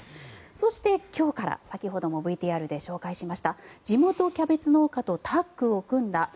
そして、今日から先ほどもＶＴＲで紹介しました地元キャベツ農家とタッグを組んだ